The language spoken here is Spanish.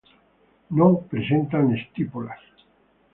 No presentan estípulas.